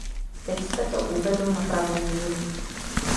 Teď jste to uvedl na pravou míru.